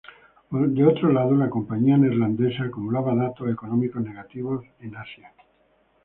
Por otro lado la Compañía Neerlandesa acumulaba datos económicos negativos en Asia.